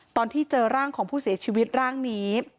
ตอนที่เจอร่างของผู้เสียชีวิตร่างนี้